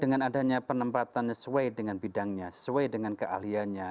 dengan adanya penempatan sesuai dengan bidangnya sesuai dengan keahliannya